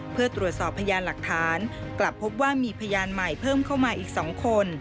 เพื่อตรวจสอบพยานหลักฐานกลับพบว่ามีพยานใหม่เพิ่มเข้ามาอีก๒คน